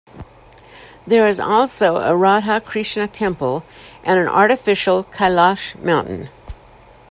There is also a Radha Krishna temple and an artificial Kailash Mountain.